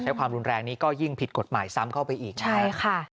ใช้ความรุนแรงนี้ก็ยิ่งผิดกฎหมายซ้ำเข้าไปอีก